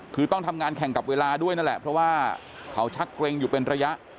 คือต้องทำงานแข่งกับเวลาด้วยนั่นแหละเพราะว่าเขาชักเกรงอยู่เป็นระยะ